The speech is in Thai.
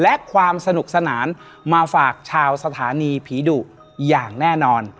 และความสนุกสนานมาฝากชาวสถานีผีดุอย่างแน่นอน